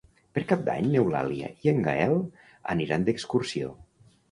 Per Cap d'Any n'Eulàlia i en Gaël aniran d'excursió.